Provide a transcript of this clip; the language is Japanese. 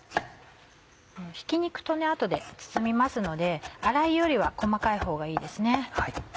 ひき肉と後で包みますので粗いよりは細かいほうがいいですね。